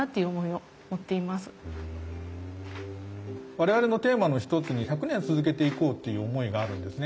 我々のテーマの一つに１００年続けていこうっていう思いがあるんですね。